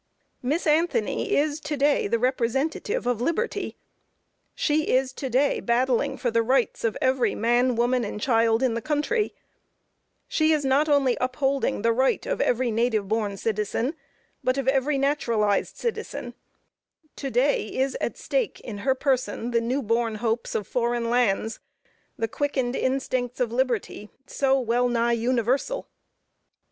Miss Anthony is to day the representative of liberty; she is to day battling for the rights of every man, woman and child in the country; she is not only upholding the right of every native born citizen, but of every naturalized citizen; to day is at stake in her person, the new born hopes of foreign lands, the quickened instincts of liberty, so well nigh universal.